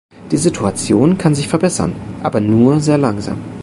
Die Situation kann sich verbessern, aber nur sehr langsam.